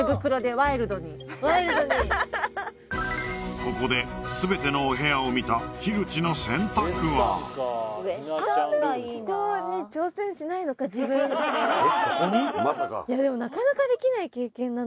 ここで全てのお部屋を見た樋口の選択は大丈夫ですか？